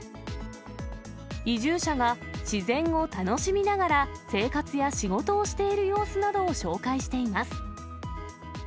移住者が自然を楽しみながら生活や仕事をしている様子などを紹介しています。